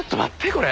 これ。